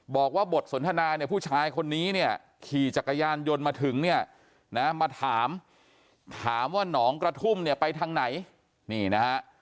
บอกว่าบทสนทนายผู้ชายคนนี้ขี่จักรยานยนต์มาถามว่าน้องกระทุ่มไปทางไหน